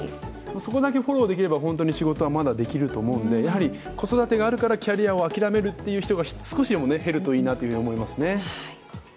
そこだけフォローできれば、仕事はまだできると思うので子育てがあるからキャリアを諦めるという人が少しでも減ればいいなと思います。